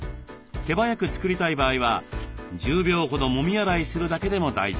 手早く作りたい場合は１０秒ほどもみ洗いするだけでも大丈夫。